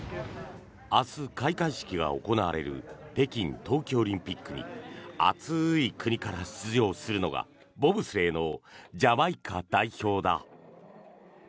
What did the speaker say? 明日、開会式が行われる北京冬季オリンピックに暑い国から出場するのがボブスレーのジャマイカ代表だ。